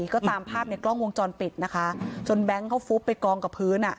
ก็ตามภาพในกล้องวงจรปิดนะคะจนแบงค์เขาฟุบไปกองกับพื้นอ่ะ